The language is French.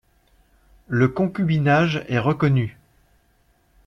Le concubinage est reconnu.